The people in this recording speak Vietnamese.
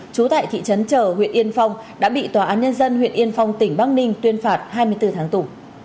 trú tại thị trấn trở huyện yên phong đã bị tòa án nhân dân huyện yên phong tỉnh bắc ninh tuyên phạt hai mươi bốn tháng tù